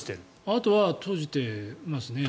あとは閉じてますね